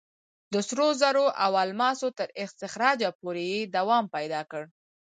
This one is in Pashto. د سرو زرو او الماسو تر استخراجه پورې یې دوام پیدا کړ.